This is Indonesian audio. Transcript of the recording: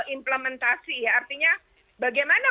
implementasi ya artinya bagaimana